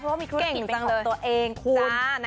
เพราะว่ามีธุรกิจเป็นของตัวเองคุณ